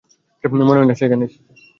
মনে হয় না সে এখানে আছে।